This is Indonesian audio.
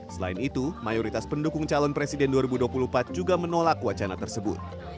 selain itu mayoritas pendukung calon presiden dua ribu dua puluh empat juga menolak wacana tersebut